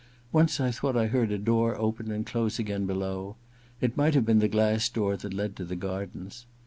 Once I thought I heard a door open and close again below : it might have been the glass door that led to the gardens.